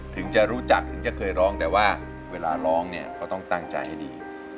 ถึงจะรู้จักถึงจะเคยร้องแต่ว่าเวลาร้องเนี่ยก็ต้องตั้งใจให้ดี